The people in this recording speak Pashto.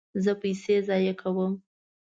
زه پیسې ضایع کوم